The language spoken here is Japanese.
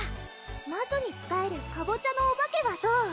魔女に仕えるかぼちゃのお化けはどう？